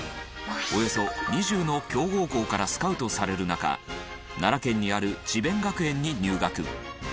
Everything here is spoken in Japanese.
およそ２０の強豪校からスカウトされる中奈良県にある智弁学園に入学。